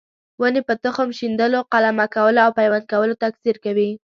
ونې په تخم شیندلو، قلمه کولو او پیوند کولو تکثیر کوي.